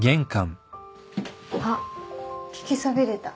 あっ聞きそびれた。